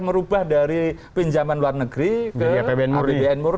merubah dari pinjaman luar negeri ke apbn murni